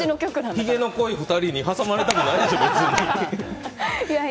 ひげの濃い２人に挟まれたくないです。